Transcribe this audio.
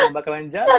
gak bakalan jalan